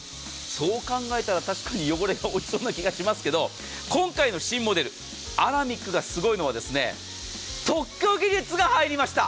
そう考えたら確かに汚れが落ちそうな気がしますが今回の新モデルアラミックがすごいのは特許技術が入りました。